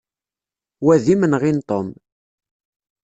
Wa d imenɣi n Tom.